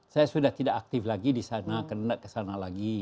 saya sudah tidak aktif lagi di sana kena kesana lagi